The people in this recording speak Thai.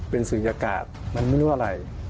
เป็นศูนยากาศมันไม่รู้อะไร